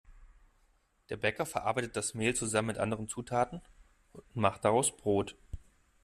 Der Bäcker verarbeitet das Mehl zusammen mit anderen Zutaten und macht daraus Brot.